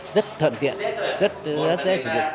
rất thận tiện rất dễ sử dụng